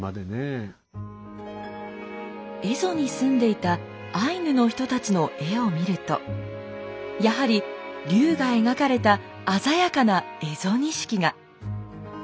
蝦夷に住んでいたアイヌの人たちの絵を見るとやはり竜が描かれた鮮やかな蝦夷錦が。